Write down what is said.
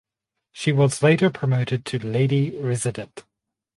She was later promoted to Lady Resident.